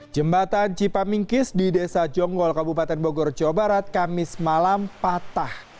jembatan cipamingkis di desa jonggol kabupaten bogor jawa barat kamis malam patah